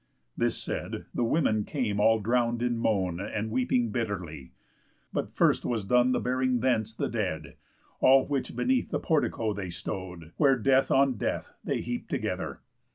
This said, the women came all drown'd in moan, And weeping bitterly. But first was done The bearing thence the dead; all which beneath The portico they stow'd, where death on death They heap'd together.